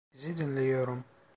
Sizi dinliyorum.